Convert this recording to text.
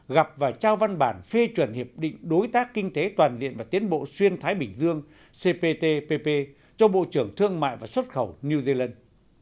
gặp và trao văn bản phê chuẩn hiệp định đối tác kinh tế toàn diện và tiến bộ xuyên thái bình dương cptpp cho bộ trưởng thương mại và xuất khẩu new zealand